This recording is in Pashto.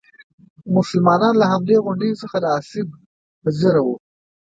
مسلمانان له همدې غونډیو څخه آسیب پذیره وو.